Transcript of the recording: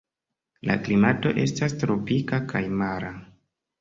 La klimato estas tropika kaj mara.